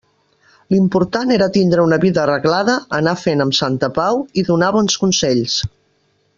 L'important era tindre una vida arreglada, anar fent amb santa pau i donar bons consells.